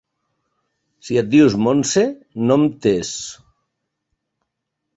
Si et dius Montse, "nom tes".